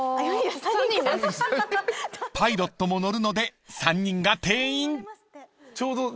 ［パイロットも乗るので３人が定員］